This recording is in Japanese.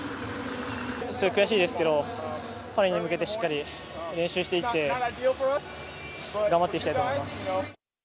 すごい悔しいですけど、パリに向けてしっかり練習していって、頑張っていきたいと思います。